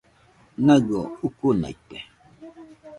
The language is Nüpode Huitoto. Naɨio ukunaite